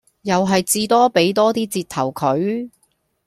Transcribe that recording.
又係至多俾多 d 折頭佢